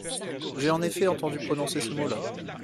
J'ai en effet entendu prononcer ce mot-là.